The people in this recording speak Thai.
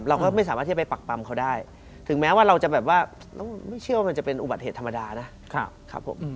เราก็ไม่สามารถที่จะไปปักปำเขาได้ถึงแม้ว่าเราจะแบบว่าไม่เชื่อว่ามันจะเป็นอุบัติเหตุธรรมดานะครับผม